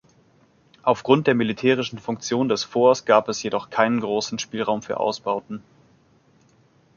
Aufgrund der militärischen Funktion des Forts gab es jedoch keinen großen Spielraum für Ausbauten.